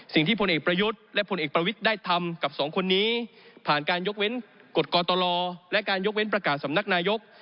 พลเอกประยุทธ์และผลเอกประวิทย์ได้ทำกับสองคนนี้ผ่านการยกเว้นกฎกตลและการยกเว้นประกาศสำนักนายก